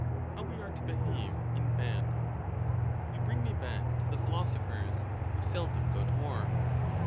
. How we are to behave in bed ? You bring me back to the philosophers, who seldom go to war.